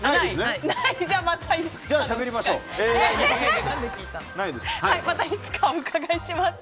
またいつかお伺いします。